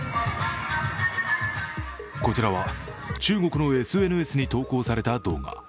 こちらは中国のＳＮＳに投稿された動画。